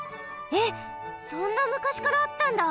えっそんなむかしからあったんだ！？